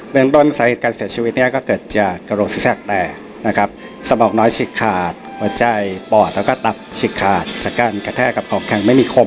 จึงโดนสายเหตุการเสียชีวิตก็เกิดกระโหลกศีรษะแตกสมองน้อยฉีกขาดหัวใจปอดแล้วก็ตับฉีกขาดจากการกระแทกของแข็งไม่มีคม